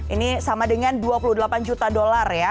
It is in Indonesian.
ini sama dengan dua puluh delapan juta dolar ya